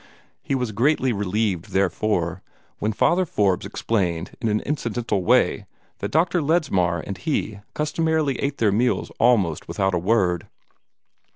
He was greatly relieved, therefore, when Father Forbes explained in an incidental way that Dr. Ledsmar and he customarily ate their meals almost without a word.